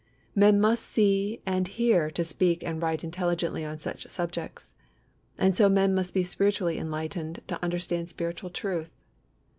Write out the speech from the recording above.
Men must see and hear to speak and write intelligently on such subjects. And so men must be spiritually enlightened to understand spiritual truth.